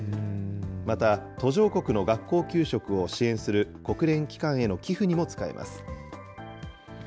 また、途上国の学校給食を支援する国連機関への寄付にも使えます。